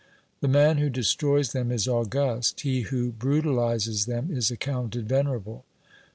The man who destroys them is august, he who brutalises them is accounted venerable.